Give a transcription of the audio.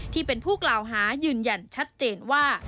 ที่เป็นผู้กล่าวหายืนยันชัดเจนว่า